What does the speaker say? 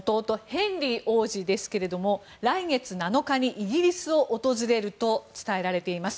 ヘンリー王子ですけども来月７日にイギリスを訪れると伝えられています。